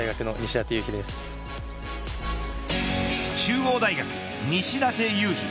中央大学、西舘勇陽。